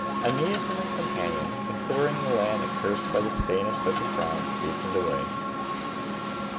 Aeneas and his companions, considering the land accursed by the stain of such a crime, hastened away.